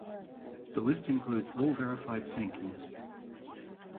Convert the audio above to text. The list includes all verified sinkings.